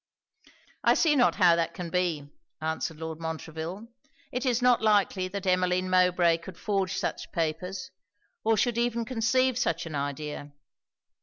'I see not how that can be,' answered Lord Montreville. 'It is not likely that Emmeline Mowbray could forge such papers, or should even conceive such an idea.'